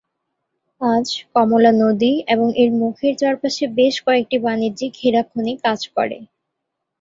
আজ, কমলা নদী এবং এর মুখের চারপাশে বেশ কয়েকটি বাণিজ্যিক হীরা খনি কাজ করে।